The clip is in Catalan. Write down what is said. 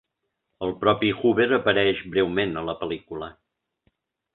El propi Hoover apareix breument a la pel·lícula.